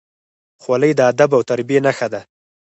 خولۍ د ادب او تربیې نښه ده.